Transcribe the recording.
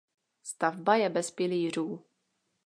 Stavba je bez pilířů.